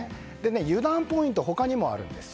湯断ポイント、他にもあるんです。